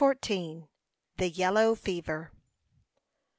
THE YELLOW FEVER.